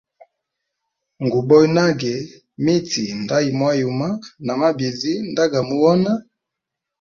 Nguboya nage miti nda yimwayuma na mabizi nda ga muhona.